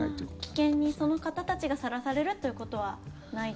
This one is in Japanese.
危険に、その方たちがさらされるということはない。